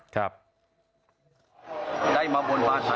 ครับ